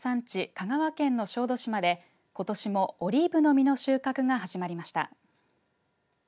香川県の小豆島でことしもオリーブの実の収穫が始まりました。